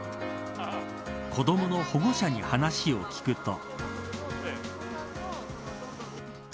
子どもの保護者に話を聞くと。